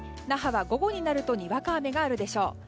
那覇は午後になるとにわか雨があるでしょう。